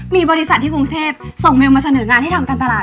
มีบริษัทที่กรุงเทพส่งเมลมาเสนองานให้ทำการตลาด